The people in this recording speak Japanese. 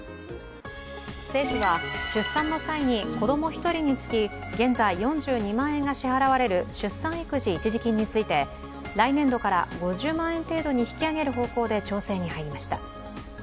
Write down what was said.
政府は、出産の際に子供１人につき現在４２万円が支払われる出産育児一時金について来年度から５０万円程度に引き上げる方向で調整に入りました。